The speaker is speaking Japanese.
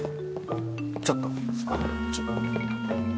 ちょっと。